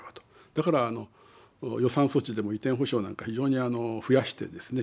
だから予算措置でも移転補償なんか非常に増やしてですね